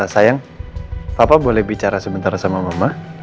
sayang papa boleh bicara sebentar sama mama